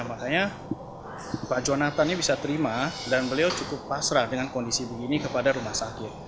makanya pak jonathan ini bisa terima dan beliau cukup pasrah dengan kondisi begini kepada rumah sakit